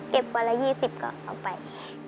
วันละ๒๐ก็เอาไป